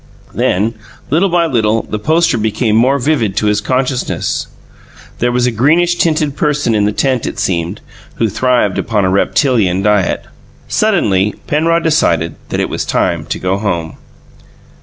Then, little by little, the poster became more vivid to his consciousness. There was a greenish tinted person in the tent, it seemed, who thrived upon a reptilian diet. Suddenly, Penrod decided that it was time to go home.